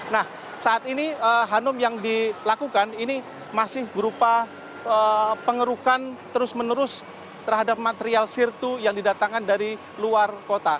nah saat ini hanum yang dilakukan ini masih berupa pengerukan terus menerus terhadap material sirtu yang didatangkan dari luar kota